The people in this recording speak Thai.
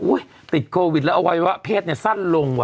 อุ๊ยติดโควิดแล้วเอาไว้ว่าเพศเนี่ยสั้นลงว่ะ